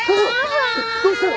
どうしたの！？